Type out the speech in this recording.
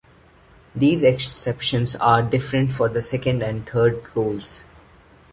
These exceptions are different for the second and third rolls.